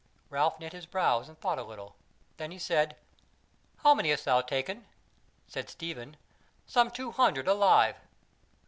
Ralph knit his brows and thought a little; then he said: "How many hast thou taken?" Said Stephen: "Some two hundred alive."